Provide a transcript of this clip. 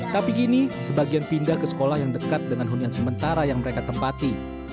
tapi kini sebagian pindah ke sekolah yang dekat dengan hunian sementara yang mereka tempati